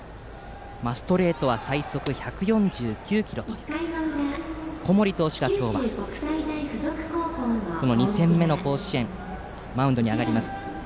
ストレートは最速１４９キロという小森投手が今日、２戦目の甲子園のマウンドに上がります。